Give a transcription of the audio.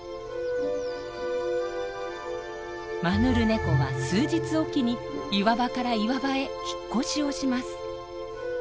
マヌルネコは数日おきに岩場から岩場へ引っ越しをします。